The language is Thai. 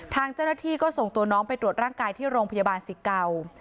ทางเจ้าหน้าที่ก็ส่งตัวน้องไปตรวจร่างกายที่โรงพยาบาลสิเก่า